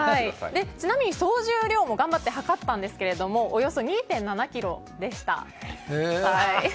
総重量も頑張ってはかったんですがおよそ２．７ｋｇでした。